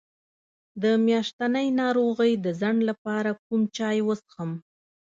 د میاشتنۍ ناروغۍ د ځنډ لپاره کوم چای وڅښم؟